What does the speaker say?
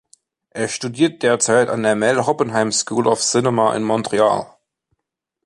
Er studiert derzeit an der Mel Hoppenheim School of Cinema in Montreal.